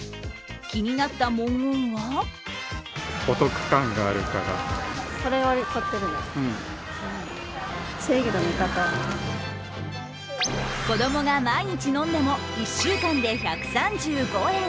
気になった文言は子供が毎日飲んでも１週間で１３５円。